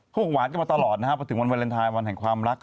หวานกันมาตลอดนะครับพอถึงวันวาเลนไทยวันแห่งความรัก